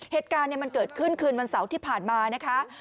เหตุการณ์มันเกิดขึ้นคืนวันเสาร์ที่ผ่านมานะคะ